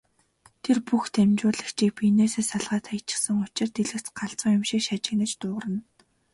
Тэр бүх дамжуулагчийг биенээсээ салгаад хаячихсан учир дэлгэц галзуу юм шиг шажигнан дуугарна.